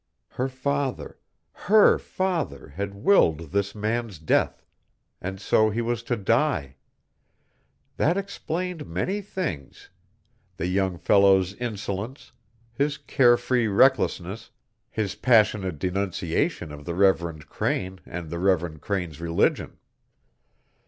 Her father, her father, had willed this man's death, and so he was to die! That explained many things the young fellow's insolence, his care free recklessness, his passionate denunciation of the Reverend Crane and the Reverend Crane's religion.